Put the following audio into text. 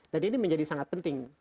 jadi ini menjadi sangat penting